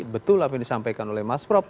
betul apa yang disampaikan oleh mas prap